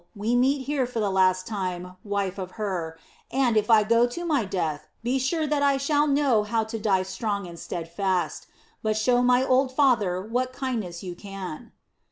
We meet here for the last time, wife of Hur, and, if I go to my death, be sure that I shall know how to die strong and steadfast; but show my old father what kindness you can."